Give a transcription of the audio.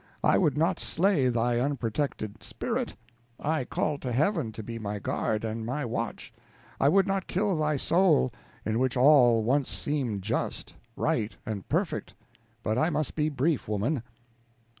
I would not slay thy unprotected spirit. I call to Heaven to be my guard and my watch I would not kill thy soul, in which all once seemed just, right, and perfect; but I must be brief, woman.